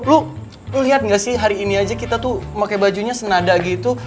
lu lihat nggak sih hari ini aja kita tuh pakai bajunya senada gitu